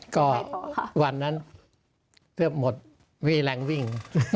ก็วันนั้นเตรียมหมดมีแรงวิ่ง